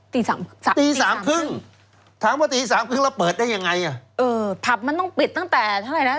สามสามตีสามครึ่งถามว่าตีสามครึ่งแล้วเปิดได้ยังไงอ่ะเออผับมันต้องปิดตั้งแต่เท่าไหร่นะ